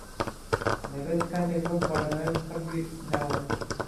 دەبێت کاتێک بۆ خواردنەوەیەک خڕببینەوە.